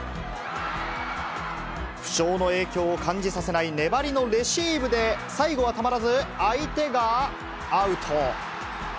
負傷の影響を感じさせない粘りのレシーブで最後はたまらず相手がアウト。